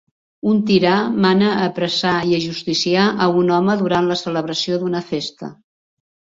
Un tirà mana apressar i ajusticiar a un home durant la celebració d'una festa.